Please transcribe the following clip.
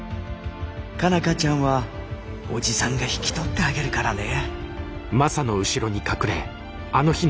佳奈花ちゃんは叔父さんが引き取ってあげるからね。